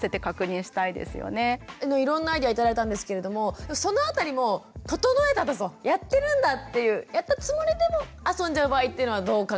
いろんなアイデア頂いたんですけれどもその辺りも整えたぞやってるんだっていうやったつもりでも遊んじゃう場合っていうのはどう考えたらいいですか？